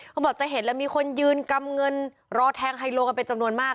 เขาบอกจะเห็นแล้วมีคนยืนกำเงินรอแทงไฮโลกันเป็นจำนวนมาก